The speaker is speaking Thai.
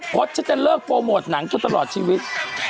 โพสต์จะเลิกโปรโมทหนังก็ตลอดชีวิต